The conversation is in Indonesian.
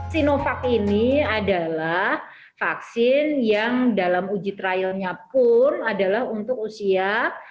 sinovac ini adalah vaksin yang dalam uji trialnya pun adalah untuk usia delapan belas lima puluh sembilan